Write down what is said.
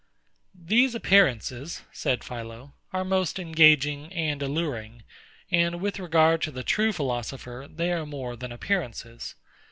These appearances, said PHILO, are most engaging and alluring; and with regard to the true philosopher, they are more than appearances.